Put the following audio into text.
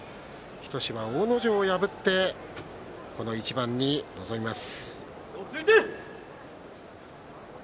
日翔志は、大野城を破ってこの一番に臨みます。